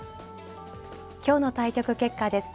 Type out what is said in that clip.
今日の対局結果です。